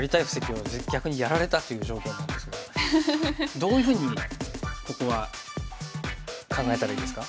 どういうふうにここは考えたらいいですか？